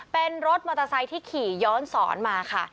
เป็นรถมอเตอร์ไซค์ที่ขี่ย้อนสอนมาค่ะ